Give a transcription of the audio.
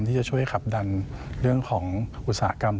ที่จะช่วยขับดันเรื่องของอุตสาหกรรม